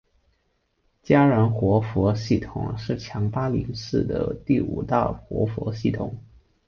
嘉热活佛系统是强巴林寺的第五大活佛系统。